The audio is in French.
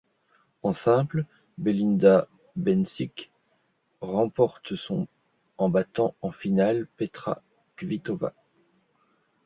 En simple, Belinda Bencic remporte son en battant en finale Petra Kvitová.